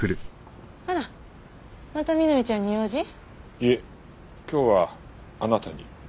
いえ今日はあなたに。